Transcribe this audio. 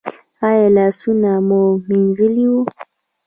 ایا لاسونه مو مینځلي وو؟